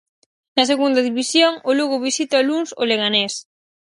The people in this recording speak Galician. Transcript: Na Segunda División, o Lugo visita o luns o Leganés.